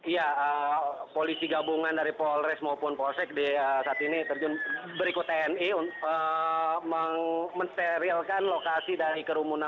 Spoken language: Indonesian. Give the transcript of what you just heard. ya polisi gabungan dari polres maupun polsek saat ini terjun berikut tni mensterilkan lokasi dari kerumunan